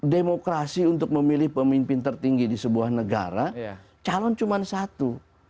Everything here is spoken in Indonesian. demokrasi untuk memilih pemimpin tertinggi di sebuah negara calon cuma satu